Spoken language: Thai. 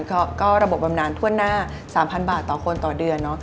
ก็ระบบบำนานทั่วหน้า๓๐๐บาทต่อคนต่อเดือน